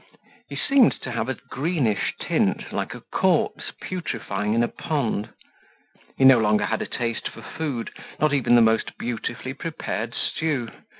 He seemed to have a greenish tint like a corpse putrefying in a pond. He no longer had a taste for food, not even the most beautifully prepared stew.